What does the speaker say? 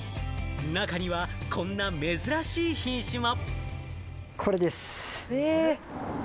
中にはこんな珍しい品種も。